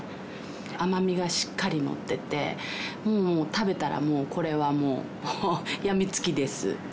甘みがしっかりのっててもう食べたらもうこれはもう病みつきです。